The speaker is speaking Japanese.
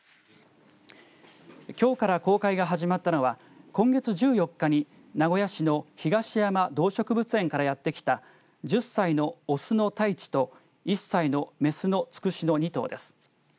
きょうから公開が始まったのは今月１４日に名古屋市の東山動植物園からやって来た１０歳の雄のタイチと１歳の雌のつくしの２頭です。